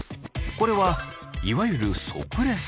これはいわゆる即レス。